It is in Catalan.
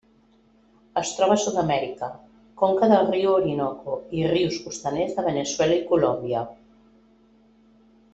Es troba a Sud-amèrica: conca del riu Orinoco i rius costaners de Veneçuela i Colòmbia.